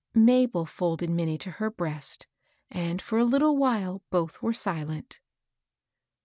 Mabel folded Minnie to her breast; and, for a little while, both were silent.